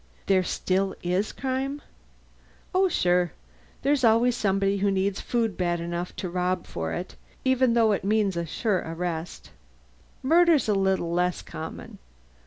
"There still is crime?" "Oh, sure. There's always somebody who needs food bad enough to rob for it, even though it means a sure arrest. Murder's a little less common."